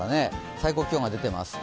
最高気温が出ています。